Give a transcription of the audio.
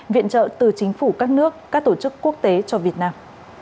viện trợ từ chính phủ các nước các tổ chức quốc tế cho việt nam